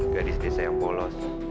gadis desa yang polos